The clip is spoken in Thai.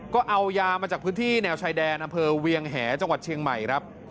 ก็เอายามาจากพื้นที่แนวชายแดนอำเภอเวียงแหจังหวัดเชียงใหม่ครับ